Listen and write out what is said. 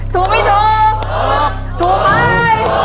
ถูกไม่ถูกถูกไหม